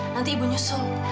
nanti ibu nyusul